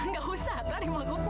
enggak usah tarik mahkukmu